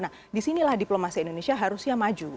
nah di sinilah diplomasi indonesia harusnya maju